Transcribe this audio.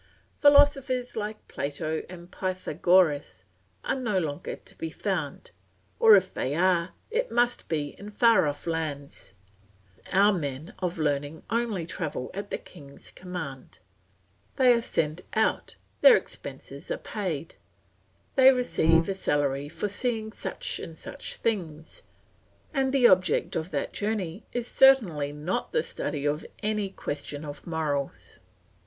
Philosophers like Plato and Pythagoras are no longer to be found, or if they are, it must be in far off lands. Our men of learning only travel at the king's command; they are sent out, their expenses are paid, they receive a salary for seeing such and such things, and the object of that journey is certainly not the study of any question of morals.